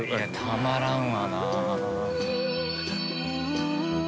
たまらんわなぁ。